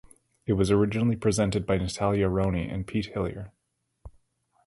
It was originally presented by Nataylia Roni and Pete Hillier.